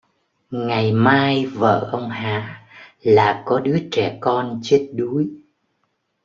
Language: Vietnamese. Ngày mai vợ ông Hà là có đứa trẻ con chết đuối